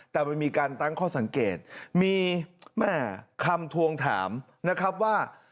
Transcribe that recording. แต่มันมีการตั้งข้อสังเกตมีแม่คำทวงถามนะครับว่า